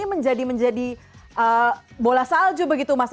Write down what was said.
menjadi menjadi bola salju begitu mas